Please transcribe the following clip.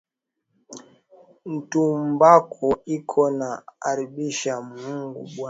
Ntumbako iko na aribisha maungu ya bantu